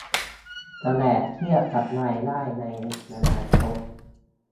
จะแอบเครียดกับรายได้ในอนาคต